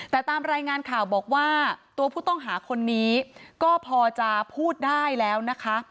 แต่ตามรายงานข่าวบอกว่าตัวผู้ต้องหาคนนี้ก็พอจะพูดได้แล้วนะคะ